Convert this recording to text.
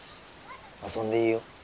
遊んでいいよ。